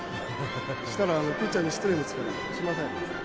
したらピッチャーに失礼ですから、しません。